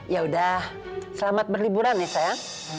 yaudah selamat berliburan ya sayang